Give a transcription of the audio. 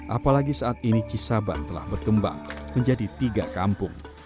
apalagi saat ini cisaban telah berkembang menjadi tiga kampung